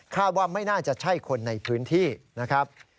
ว่าไม่น่าจะใช่คนในพื้นที่นะครับ